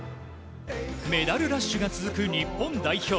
メダルラッシュが続く日本代表。